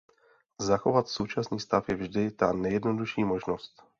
Zachovat současný stav je vždy ta nejjednodušší možnost.